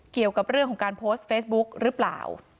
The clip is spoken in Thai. เกี่ยวกับเรื่องของการโพสต์เฟซบุ๊กหรือเปล่า